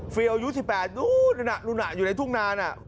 ฟิลอายุ๑๘รุ่นน่ะรุ่นน่ะอยู่ในทุ่งนานน่ะ